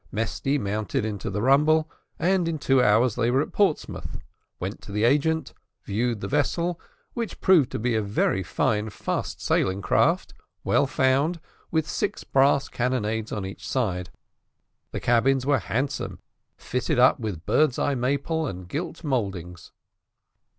Mesty mounted into the rumble, and in two hours they were at Portsmouth; went to the agent, viewed the vessel, which proved to be a very fine fast sailing craft, well found, with six brass carronades on each side. The cabins were handsome, fitted up with bird's eye maple and gilt mouldings.